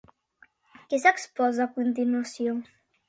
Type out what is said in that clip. Què s'exposa a continuació?